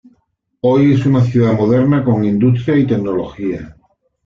Hoy es una ciudad moderna con industria y tecnología.